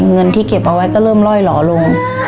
เงินที่เก็บเอาไว้ก็เริ่มล่อยหล่อลง